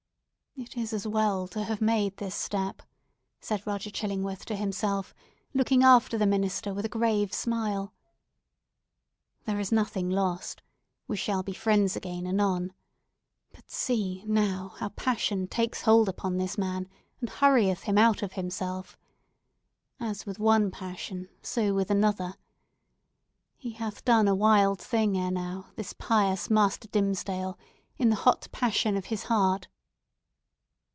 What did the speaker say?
"It is as well to have made this step," said Roger Chillingworth to himself, looking after the minister, with a grave smile. "There is nothing lost. We shall be friends again anon. But see, now, how passion takes hold upon this man, and hurrieth him out of himself! As with one passion so with another. He hath done a wild thing ere now, this pious Master Dimmesdale, in the hot passion of his heart."